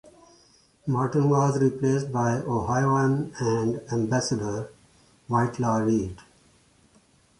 Morton was replaced by Ohioan and Ambassador, Whitelaw Reid.